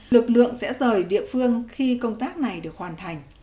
lực lượng sẽ rời địa phương khi công tác này được hoàn thành